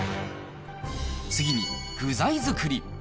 次に具材作り。